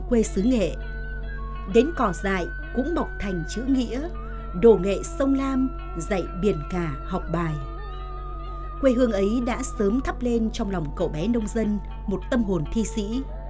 quầy hương ấy đã sớm thắp lên trong lòng cậu bé nông dân một tâm hồn thi sĩ